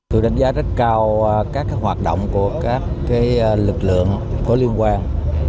tôi đánh giá rất cao các hoạt động của các lực lượng có liên quan